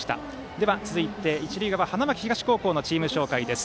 では、続いて一塁側花巻東高校のチーム紹介です。